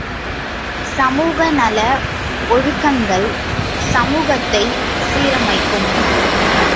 சமூக நல ஒழுக்கங்கள் சமூகத்தைச் சீரமைக்கும்.